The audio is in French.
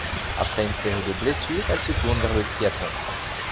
Après une série de blessures, elle se tourne vers le triathlon.